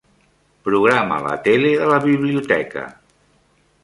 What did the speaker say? Programa la tele de la biblioteca.